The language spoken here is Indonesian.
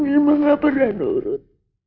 emang gak pernah nurut